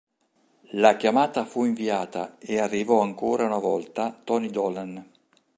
La chiamata fu inviata e arrivò ancora una volta Tony Dolan.